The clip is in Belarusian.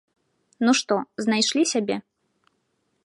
Ну што, знайшлі сябе?